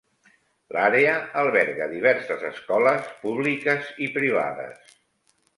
L'àrea alberga diverses escoles públiques i privades.